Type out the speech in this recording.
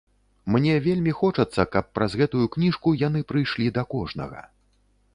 Мне вельмі хочацца, каб праз гэтую кніжку яны прыйшлі да кожнага.